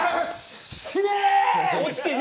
死ね！